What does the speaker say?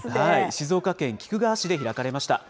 静岡県菊川市で開かれました。